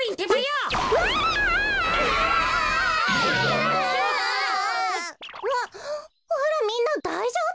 うわっあらみんなだいじょうぶ？